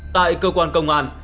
tại cơ quan công an